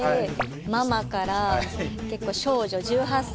ママから結構少女１８歳の少女。